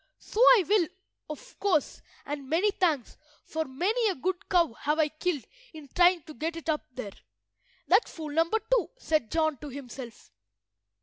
"So I will, of course, and many thanks, for many a good cow have I killed in trying to get it up there." "That's fool number two," said John to himself.